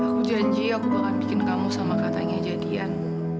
aku janji aku akan bikin kamu sama katanya jadian